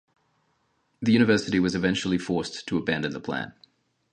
The university was eventually forced to abandon the plan.